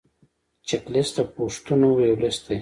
چک لیست د پوښتنو یو لیست دی.